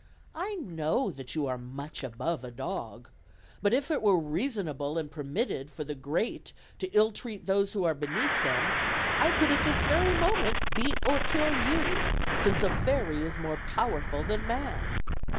I know that you are much above a dog; but if it were reasonable and permitted for the great to ill treat those who are beneath them, I could at this very moment beat or kill you, since a fairy is more powerful than man.